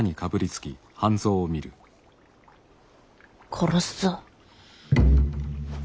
殺すぞ。